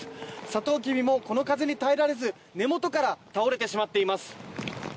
サトウキビもこの風に耐えられず根元から倒れてしまっています。